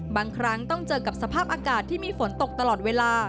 บางครั้งต้องเจอกับสภาพอากาศที่มีฝนตกตลอดเวลา